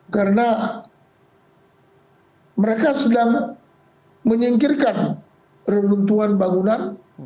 karena mereka sedang menyingkirkan runtuhan bangunan